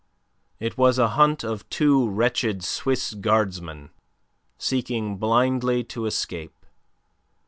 It was a hunt of two wretched Swiss guardsmen seeking blindly to escape.